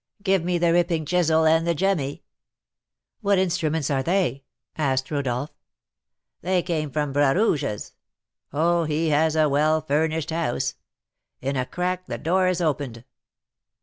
Give me the ripping chisel and the jemmy '" "What instruments are they?" asked Rodolph. "They came from Bras Rouge's. Oh, he has a well furnished house! In a crack the door is opened.